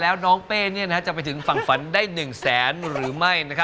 แล้วน้องเป้จะไปถึงฝั่งฝันได้๑แสนหรือไม่